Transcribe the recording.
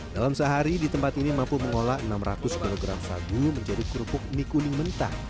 dalam sehari di tempat ini mampu mengolah enam ratus kg sagu menjadi kerupuk mie kuning mentah